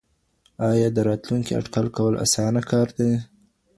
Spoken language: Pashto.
ايا د راتلونکي اټکل کول اسانه کار دی؟